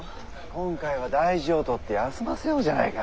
今回は大事を取って休ませようじゃないか。